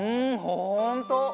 ほんと！